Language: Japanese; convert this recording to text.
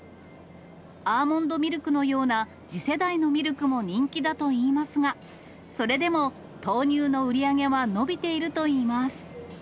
アーモンドミルクのような次世代のミルクも人気だといいますが、それでも、豆乳の売り上げは伸びているといいます。